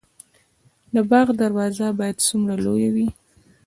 د باغ دروازه باید څومره لویه وي؟